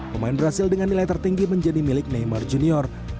pemain brazil dengan nilai tertinggi menjadi milik neymar junior